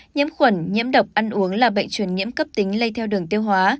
nhiễm khuẩn nhiễm độc ăn uống là bệnh truyền nhiễm cấp tính lây theo đường tiêu hóa